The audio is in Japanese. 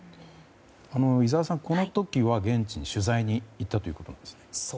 井澤さんはこの時は現地に取材に行ったんですか。